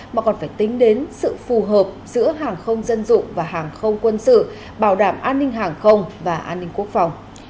mà còn phải tính đến sự phù hợp giữa hàng không dân dụng và hàng không quân sự bảo đảm an ninh hàng không và an ninh quốc phòng